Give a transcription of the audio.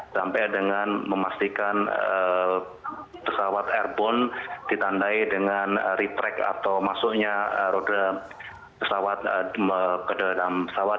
sampai dengan memastikan pesawat airborne ditandai dengan reprek atau masuknya roda pesawat ke dalam pesawat